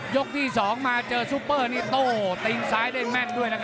ยกที่สองมาเจอซุปเปอร์นิโต้ตีนซ้ายด้วยแม่งด้วยด้วย